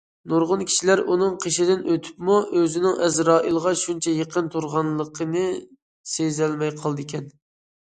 نۇرغۇن كىشىلەر ئۇنىڭ قېشىدىن ئۆتۈپمۇ ئۆزىنىڭ ئەزرائىلغا شۇنچە يېقىن تۇرغانلىقىنى سېزەلمەي قالىدىكەن.